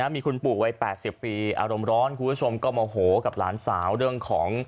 มีคุณปู่วัย๘๐ปีอารมณ์ร้อนคุณผู้ชมก็โมโหกับหลานสาวเรื่องของ